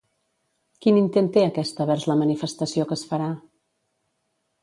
Quin intent té aquesta vers la manifestació que es farà?